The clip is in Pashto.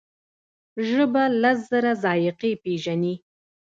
ژبه لس زره ذایقې پېژني.